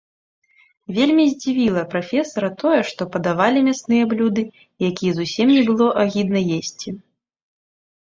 Вельмі здзівіла прафесара тое, што падавалі мясныя блюды, якія зусім не было агідна есці.